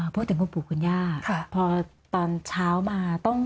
พูดถึงคุณปู่คุณย่าพอตอนเช้ามาต้อง